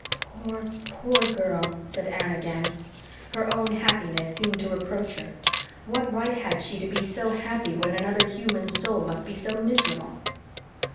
"Poor, poor girl!" said Anne again. Her own happiness seemed to reproach her. What right had she to be so happy when another human soul must be so miserable?